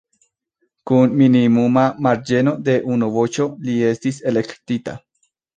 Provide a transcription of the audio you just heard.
Kun minimuma marĝeno de unu voĉo li estis elektita.